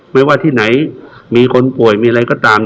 ไม่ว่าที่ไหนมีคนป่วยมีอะไรก็ตาม